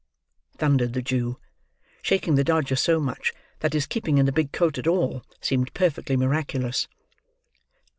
thundered the Jew: shaking the Dodger so much that his keeping in the big coat at all, seemed perfectly miraculous.